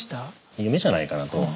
夢じゃないかなと。